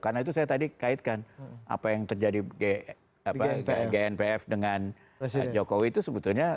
karena itu saya tadi kaitkan apa yang terjadi gnpf dengan jokowi itu sebetulnya